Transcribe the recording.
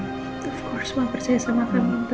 of course mama percaya sama kamu